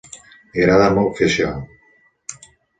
Li agrada molt fer això.